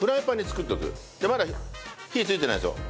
まだ火ついてないですよ。